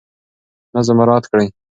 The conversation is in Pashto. نظم مراعات کړئ.